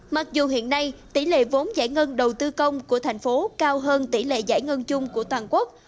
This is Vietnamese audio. mặc dù hiện nay tỷ lệ vốn giải ngân đầu tư công của thành phố cao hơn tỷ lệ giải ngân chung của toàn quốc